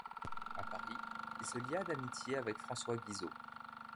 À Paris, il se lia d'amitié avec François Guizot.